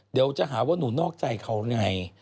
เดี๋ยวจะหาว่าหนูนอกใจเขาไง